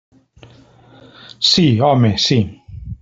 Sí, home, sí.